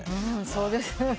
そうですよね。